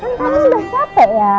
kamu sudah capek ya